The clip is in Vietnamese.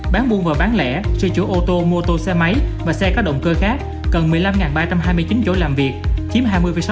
bán buôn và bán lẻ sửa chỗ ô tô mua tô xe máy và xe có động cơ khác cần một mươi năm ba trăm hai mươi chín chỗ làm việc chiếm hai mươi sáu mươi bốn